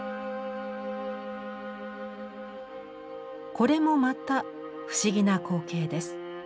これもまた不思議な光景です。